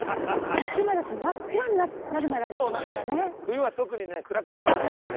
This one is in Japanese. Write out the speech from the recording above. いつもだって真っ暗になるまで歩いてますよね。